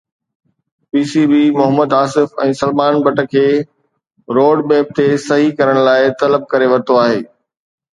P C B Muhammad Asif ۽ Salman Butt کي road map تي صحيح ڪرڻ لاءِ طلب ڪري ورتو آهي